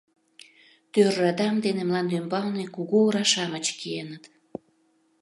Тӧр радам дене мландӱмбалне кугу ора-шамыч киеныт.